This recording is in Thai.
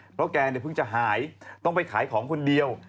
เพราะแกเพิ่งจะหายต้องไปขายของคนเดียว